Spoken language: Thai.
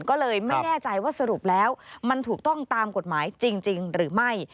ก็เลยไม่แน่ใจว่าสรุปแล้วมันถูกต้องตามกฎหมายจริงหรือไม่